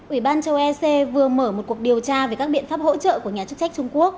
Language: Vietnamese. ủy ban châu ec vừa mở một cuộc điều tra về các biện pháp hỗ trợ của nhà chức trách trung quốc